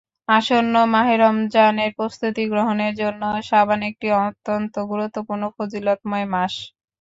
আসন্ন মাহে রমজানের প্রস্তুতি গ্রহণের জন্য শাবান একটি অত্যন্ত গুরুত্বপূর্ণ ফজিলতময় মাস।